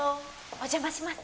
お邪魔します。